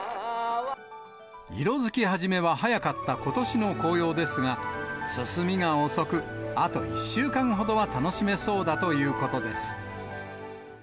色づき始めは早かったことしの紅葉ですが、進みが遅く、あと１週間ほどは楽しめそうだということです。